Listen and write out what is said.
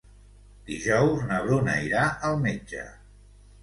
Dijous na Bruna irà al metge.